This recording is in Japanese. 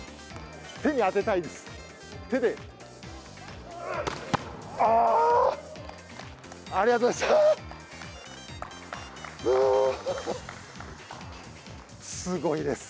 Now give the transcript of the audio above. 手に当てたいです。